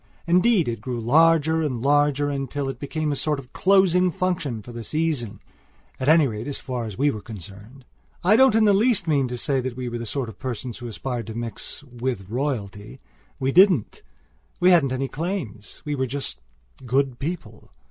Indeed, it grew larger and larger, until it became a sort of closing function for the season, at any rate as far as we were concerned. I don't in the least mean to say that we were the sort of persons who aspired to mix "with royalty." We didn't; we hadn't any claims; we were just "good people."